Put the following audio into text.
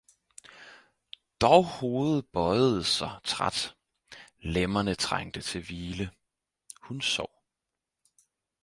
- dog Hovedet bøiede sig træt, Lemmerne trængte til Hvile, - hun sov.